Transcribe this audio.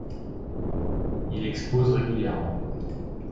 Il expose régulièrement.